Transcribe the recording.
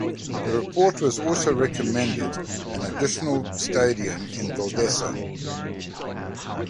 The report also recommended an additional station in Valdese.